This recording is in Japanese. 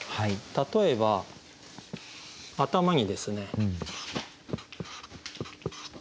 例えば頭にですね。